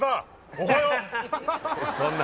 おはよう！